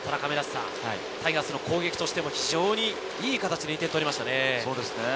タイガースの攻撃としても非常にいい形で２点取りましたね。